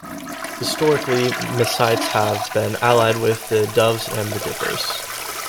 Historically, mesites have been allied with the doves and the dippers.